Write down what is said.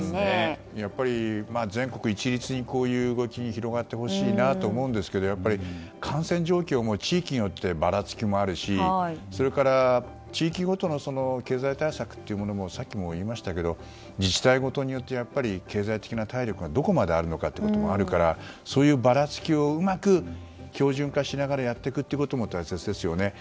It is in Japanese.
やっぱり、全国一律にこういう動きが広がってほしいなと思うんですが感染状況も地域によってばらつきもあるしそれから、地域ごとの経済対策というものもさっきも言いましたけど自治体ごとによって経済的な体力がどこまであるのかもあるからそういうばらつきをうまく標準化しながらやっていくことも大切ですよね。